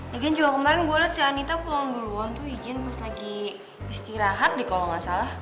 ya kan juga kemarin gue liat si anita pulang duluan tuh izin pas lagi istirahat deh kalo gak salah